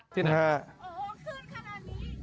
ที่ไหน